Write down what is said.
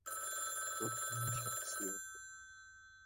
رکن شخصیت